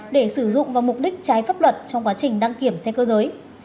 để sử dụng vào mục đích trái pháp luật trong quá trình đăng kiểm xe cơ giới